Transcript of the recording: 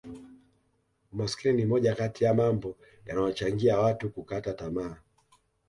umaskini ni moja kati ya mambo yanayochangia watu kukata tamaa